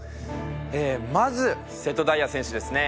まず瀬戸大也選手ですね。